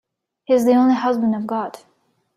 He's the only husband I've got.